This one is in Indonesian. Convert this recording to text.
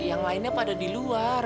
yang lainnya pada di luar